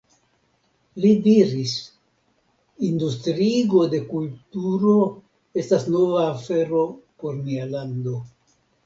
Li diris: Industriigo de kulturo estas nova afero por nia lando.